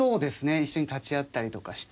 一緒に立ち会ったりとかして。